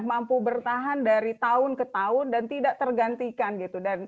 mampu bertahan dari tahun ke tahun dan tidak tergantikan gitu